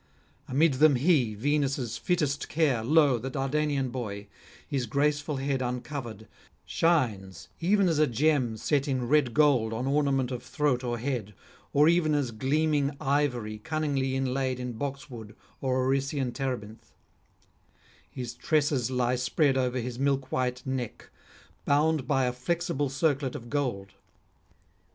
Amid them he, Venus' fittest care, lo! the Dardanian boy, his graceful head uncovered, shines even as a gem set in red gold on ornament of throat or head, or even as gleaming ivory cunningly inlaid in boxwood or Orician terebinth; his tresses lie spread over his milk white neck, bound by a flexible circlet of gold.